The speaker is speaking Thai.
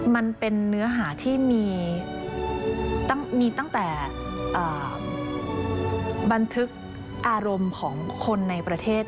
มันเป็นเนื้อหาที่มีตั้งแต่บันทึกอารมณ์ของคนในประเทศ